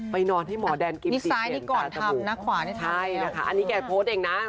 ไปนอนให้หมอแดนกิ๊มสิกลิ่นตาตาบุใช่นะคะอันนี้แกโพสต์เองนะ